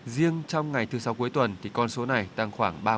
riêng trong ngày thứ sáu cuối tuần thì con số này tăng khoảng ba mươi